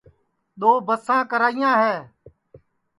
دؔو بساں کریاں ہے